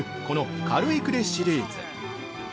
この「カル：エクレ」シリーズ。